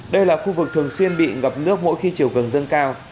đây là khu vực thường xuyên bị ngập nước mỗi khi chiều cường dâng cao